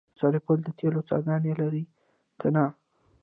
سرپل د تیلو څاګانې لري که نه؟